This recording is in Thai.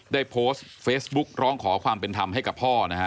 ได้โพสต์เฟซบุ๊กร้องขอความเป็นธรรมให้กับพ่อนะฮะ